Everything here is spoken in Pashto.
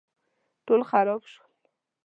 ټول خراب شول